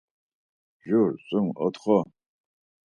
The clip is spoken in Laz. Jur, sum, otxo.